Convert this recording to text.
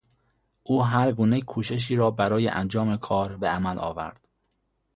او هر گونه کوششی را برای انجام کار به عمل آورد.